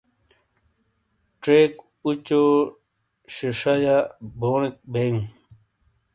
ڇیک اُچو ݜیݜہ یا بونیک بےیو۔